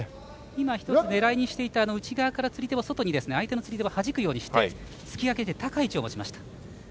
今、１つ狙いにしていた内側から釣り手を外に相手の釣り手を外にはじくようにして突き上げて高い位置を持ちました。